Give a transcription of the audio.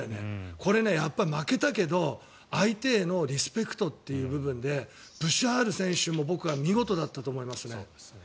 これ負けたけど相手へのリスペクトという部分でブシャール選手も僕は見事だったと思いますね。